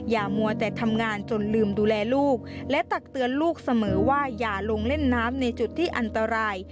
มัวแต่ทำงานจนลืมดูแลลูกและตักเตือนลูกเสมอว่าอย่าลงเล่นน้ำในจุดที่อันตราย